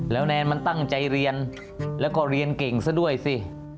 แล้วแนนมันตั้งใจเรียนแล้วก็เรียนเก่งซะด้วยสิ